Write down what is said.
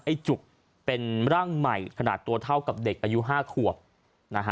จุกเป็นร่างใหม่ขนาดตัวเท่ากับเด็กอายุ๕ขวบนะฮะ